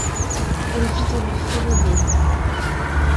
Elle vit dans les forêts naines.